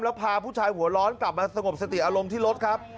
แล้วพาผู้ชายหัวร้อนกลับมาสงบสติอารมณ์ที่รถครับ